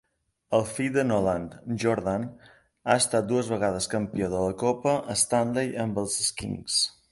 El fill de Nolan, Jordan, ha estat dues vegades campió de la Copa Stanley amb els Kings.